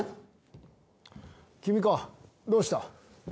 ・君かどうした？